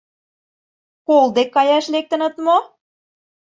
— Кол дек каяш лектыныт мо?